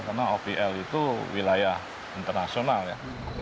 karena opl itu wilayah internasional ya